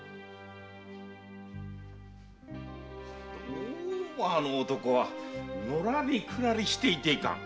どうもあの男はのらりくらりしていていかん。